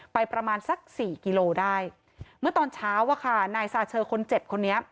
ประมาณสักสี่กิโลได้เมื่อตอนเช้าอะค่ะนายซาเชอคนเจ็บคนนี้